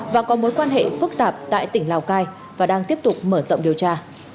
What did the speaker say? và có mối quan hệ phức tạp tại tỉnh lào cai và đang tiếp tục mở rộng điều tra